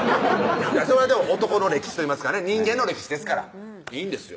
それは男の歴史といいますかね人間の歴史ですからいいんですよ